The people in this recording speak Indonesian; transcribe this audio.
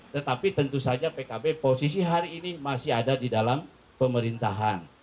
tetapi tentu saja pkb posisi hari ini masih ada di dalam pemerintahan